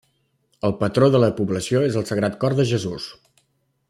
El patró de la població és el Sagrat Cor de Jesús.